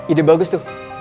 ide bagus tuh